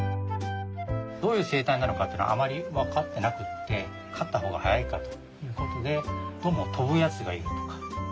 どういう生態なのかってのはあまり分かってなくって飼った方が早いかということでどうも飛ぶやつがいるとか。